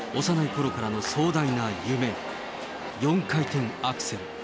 幼いころからの壮大な夢、４回転アクセル。